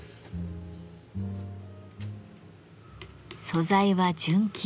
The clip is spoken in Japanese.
素材は純金。